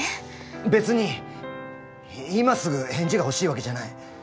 別に今すぐ返事が欲しいわけじゃない。